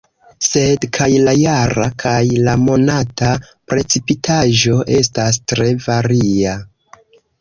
Sed kaj la jara kaj la monata precipitaĵo estas tre varia.